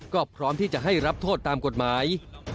ก็พร้อมที่จะให้รับโทษตามกฎหมาย